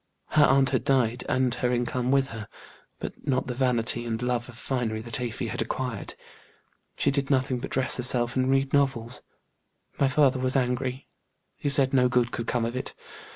Her aunt had died and her income with her, but not the vanity and love of finery that Afy had acquired. She did nothing but dress herself and read novels. My father was angry; he said no good could come of it.